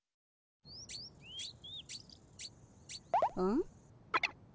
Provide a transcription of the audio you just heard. ん？